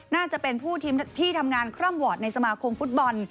น่าจะเป็นผู้ที่ทำงานคล่อมวอร์ดในสมาคมฟุตบอล